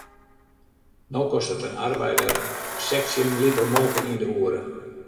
No kostet in arbeider sechstjin liter molke yn de oere.